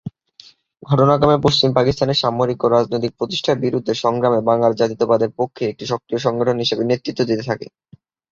ঘটনাক্রমে পশ্চিম পাকিস্তানের সামরিক ও রাজনৈতিক প্রতিষ্ঠার বিরুদ্ধে সংগ্রামে বাঙ্গালী জাতীয়তাবাদের পক্ষে একটি সক্রিয় সংগঠন হিসাবে নেতৃত্বে দিতে থাকে।